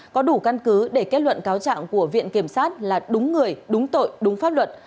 có đủ căn cứ để kết luận cáo trạng của viện kiểm sát là đúng người đúng tội đúng pháp luật